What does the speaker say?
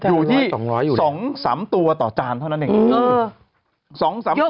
อยู่ที่๒๓ตัวต่อจานเท่านั้นเอง